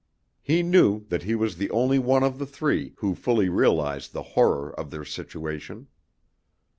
He knew that he was the only one of the three who fully realized the horror of their situation.